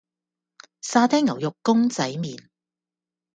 沙爹牛肉公仔麪